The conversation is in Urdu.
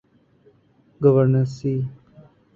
گوئرنسی